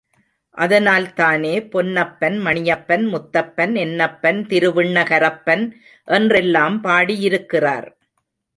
அதனால் தானே பொன்னப்பன், மணியப்பன், முத்தப்பன், என்னப்பன், திருவிண்ணகரப்பன் என்றெல்லாம் பாடியிருக்கிறார்.